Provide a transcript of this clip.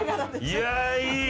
いやいい！